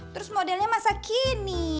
terus modelnya masa kini